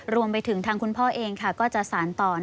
รวมไปถึงทางคุณพ่อเองก็จะสารต่อ